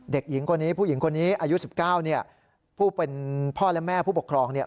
เด็กหญิงคนนี้ผู้หญิงคนนี้อายุ๑๙เนี่ยผู้เป็นพ่อและแม่ผู้ปกครองเนี่ย